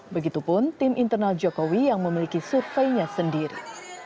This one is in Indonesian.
begitupun tim internal jokowi yang memiliki surveinya sendiri